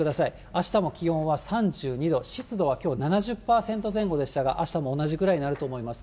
あしたも気温は３２度、湿度はきょう７０％前後でしたが、あしたも同じくらいになると思います。